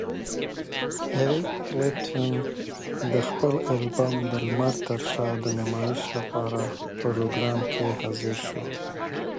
Eric Clapton appeared on the program, promoting his album "Behind the Sun".